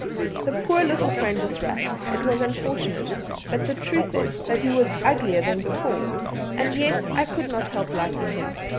The poor little friendless Rat! It was unfortunate, but the truth is that he was uglier than before; and yet I could not help liking him.